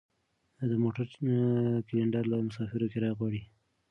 د موټر کلینډر له مسافرو کرایه غواړي.